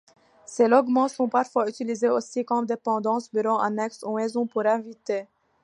Ces logements sont parfois utilisés aussi comme dépendance, bureau annexe ou maison pour invités.